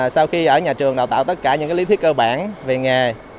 sau khi ở nhà trường đào tạo tất cả những lý thuyết cơ bản về nghề